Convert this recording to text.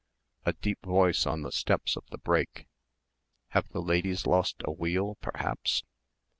A deep voice on the steps of the brake.... "Have the ladies lost a wheel, perhaps?"